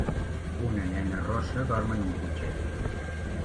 una nena rossa dorm en un cotxet.